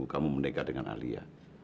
kamu menegak dengan alia